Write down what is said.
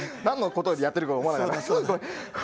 何のことをやってるか。